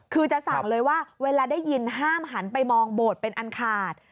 คือจะสั่งเลยว่าเวลาได้ยินห้ามหันไปมองโบสถ์เป็นอันขาด